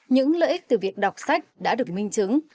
những lợi ích từ việc đọc sách đã được minh chứng